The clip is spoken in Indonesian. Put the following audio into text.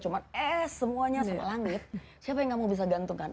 cuma es semuanya sama langit siapa yang kamu bisa gantungkan